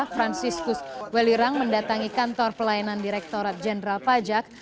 franciscus welirang mendatangi kantor pelayanan direktorat jenderal pajak